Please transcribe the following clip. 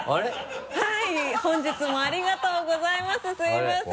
はい本日もありがとうございますすみません！